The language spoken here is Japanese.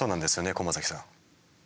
駒崎さん。